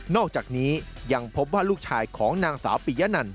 อกจากนี้ยังพบว่าลูกชายของนางสาวปิยะนัน